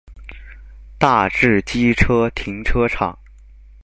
大智機車停車場